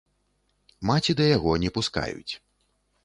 Маці да яго не пускаюць.